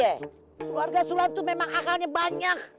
keluarga sulam tuh memang akalnya banyak